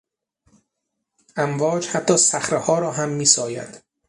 امواج حتی صخرهها را هم میسایند.